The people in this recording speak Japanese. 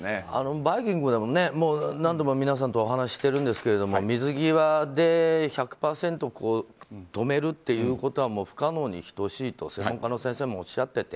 「バイキング」でも何度も皆さんとお話していますが水際で１００％止めるということは不可能に等しいと専門家の先生もおっしゃっていて。